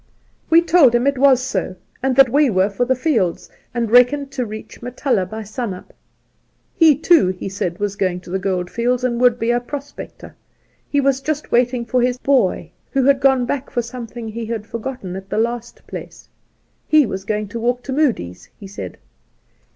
We told him it was so, and that we were for the fields, and reckoned to reach Matalha by sun up. He too, he said, was going to the gold fields, and would be a prospector ; he was just waiting for his ' boy,' who had gone back for something he had forgotten at the last place. He was going to walk to Moodie's, he said.